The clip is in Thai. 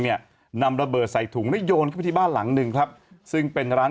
เนี่ยนำระเบิดใส่ถุงแล้วโยนเข้าไปที่บ้านหลังหนึ่งครับซึ่งเป็นร้าน